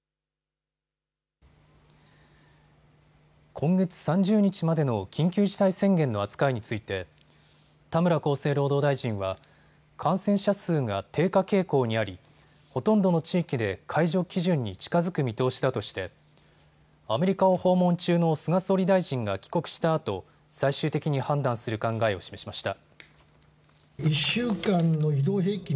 今月３０日までの緊急事態宣言の扱いについて田村厚生労働大臣は感染者数が低下傾向にありほとんどの地域で解除基準に近づく見通しだとしてアメリカを訪問中の菅総理大臣が帰国したあと最終的に判断する考えを示しました。